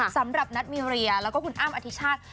สำหรับนัทมีเรียแล้วก็คุณอ้ำอธิชาติ